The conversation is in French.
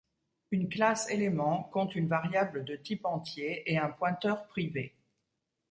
Une classe élément compte une variable de type entier et un pointeur privé.